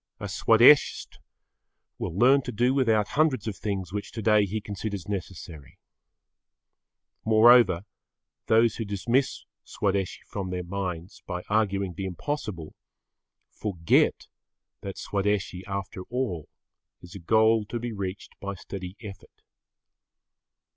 A Swadeshist will learn to do without hundreds of things which today he considers necessary. Moreover, those who dismiss Swadeshi from their minds by arguing the impossible, forget that Swadeshi, after all, is a goal to be reached by steady effort.